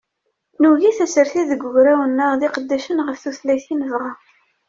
Nugi tasertit deg ugraw-nneɣ, d iqeddacen ɣef tutlayt i nebɣa.